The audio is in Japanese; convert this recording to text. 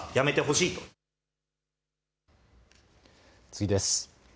次です。